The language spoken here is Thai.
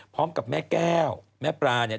พร้อมกับแม่แก้วแม่ปลาเนี่ย